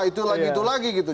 itu lagi itu lagi gitu